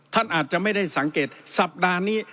ท่านอาจจะไม่ได้สังเกตสัปดาห์นี้